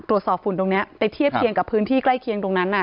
ฝุ่นตรงนี้ไปเทียบเคียงกับพื้นที่ใกล้เคียงตรงนั้น